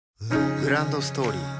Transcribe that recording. グランドストーリー